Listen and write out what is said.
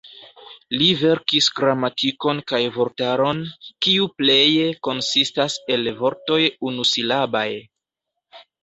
Li verkis gramatikon kaj vortaron, kiu pleje konsistas el vortoj unusilabaj.